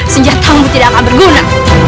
senjatamu tidak berguna